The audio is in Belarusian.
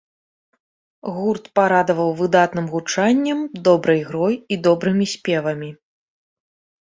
Гурт парадаваў выдатным гучаннем, добрай ігрой і добрымі спевамі.